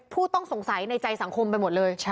ผู้ต้องสงสัยในใจสังคมไปหมดเลย